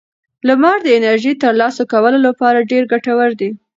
لمر د انرژۍ د ترلاسه کولو لپاره ډېر ګټور دی.